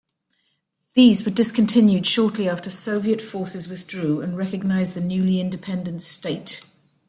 These were discontinued shortly after Soviet forces withdrew and recognized the newly independent state.